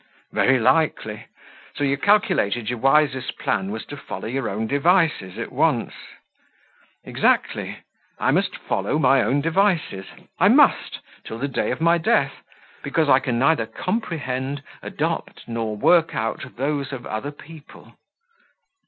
"Very likely so you calculated your wisest plan was to follow your own devices at once?" "Exactly. I must follow my own devices I must, till the day of my death; because I can neither comprehend, adopt, nor work out those of other people."